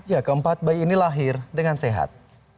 ya keempat bayi ini lahir dengan sehat